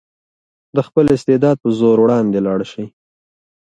د خپل استعداد په زور وړاندې لاړ شئ.